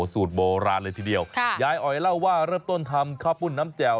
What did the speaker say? สูตรโบราณเลยทีเดียวค่ะยายอ๋อยเล่าว่าเริ่มต้นทำข้าวปุ้นน้ำแจ่ว